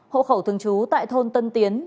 hộ khẩu thường trú tại thôn tân tiến